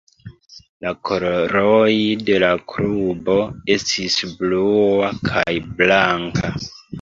La koloroj de la klubo estis blua kaj blanka.